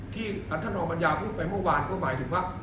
ที่ท่านรองปัญญาพูดไปเมื่อวานก็หมายถึงว่า